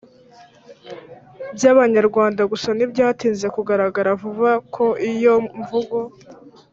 by abanyarwanda gusa ntibyatinze kugaragara vuba ko iyo mvugo